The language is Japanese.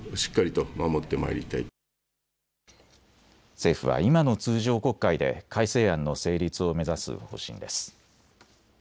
政府は今の通常国会で改正案の成立を目指す方針です。